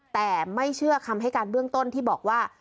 แต่ไม่เชื่อคำให้การเบื้องต้นที่บอกว่า